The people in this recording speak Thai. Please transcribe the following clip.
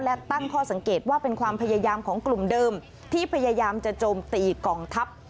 และตั้งข้อสังเกตว่าเป็นความพยายามของกลุ่มเดิมที่พยายามจะโจมตีกองทัพ